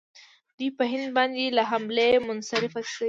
دوی په هند باندې له حملې منصرفې شوې.